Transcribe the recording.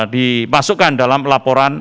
dimasukkan dalam laporan